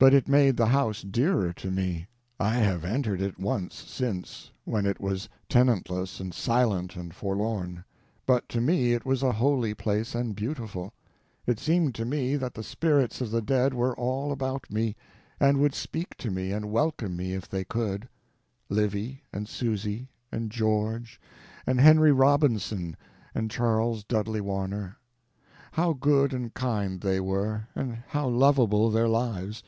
But it made the house dearer to me. I have entered it once since, when it was tenantless and silent and forlorn, but to me it was a holy place and beautiful. It seemed to me that the spirits of the dead were all about me, and would speak to me and welcome me if they could: Livy, and Susy, and George, and Henry Robinson, and Charles Dudley Warner. How good and kind they were, and how lovable their lives!